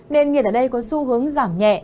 nền nhiệt ở đây có xu hướng giảm nhẹ